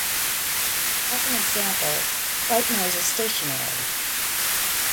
As an example, white noise is stationary.